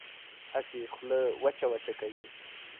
هسې خوله وچه وچه کوي.